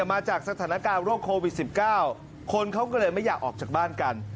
มาจากสถานการณ์โรคโควิด๑๙คนเขาก็เลยไม่อยากออกจากบ้านกัน